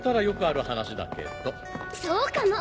そうかも。